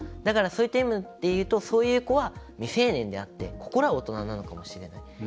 だから、そういった意味でいうとそういう子は未成年であって心は大人なのかもしれない。